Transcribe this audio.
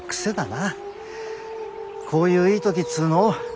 こういういい時っつうの？